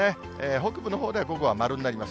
北部のほうでは午後は丸になります。